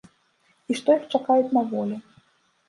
І што іх чакаюць на волі.